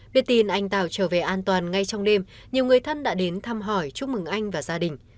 biết tin anh tàu trở về an toàn ngay trong đêm nhiều người thân đã đến thăm hỏi chúc mừng anh và gia đình